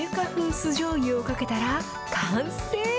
酢じょうゆをかけたら、完成。